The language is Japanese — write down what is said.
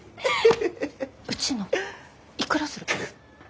うちのいくらするか。